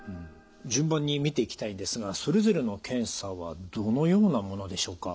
順番に見ていきたいんですがそれぞれの検査はどのようなものでしょうか？